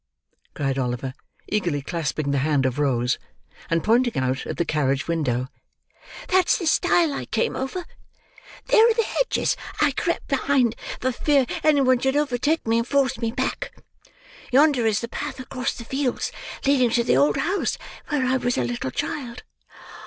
cried Oliver, eagerly clasping the hand of Rose, and pointing out at the carriage window; "that's the stile I came over; there are the hedges I crept behind, for fear any one should overtake me and force me back! Yonder is the path across the fields, leading to the old house where I was a little child!